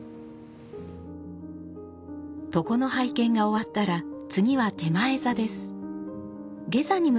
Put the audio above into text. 床の拝見が終わったら次は点前座です。